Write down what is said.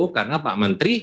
karena pak menteri